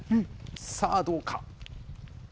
さあ、どうか。